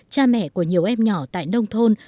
cha mẹ của nhiều em nhỏ tại nông thôn